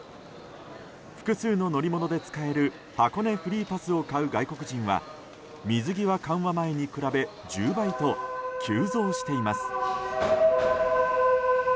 複数の乗り物で使える箱根フリーパスを買う外国人は水際緩和前に比べ１０倍と急増しています。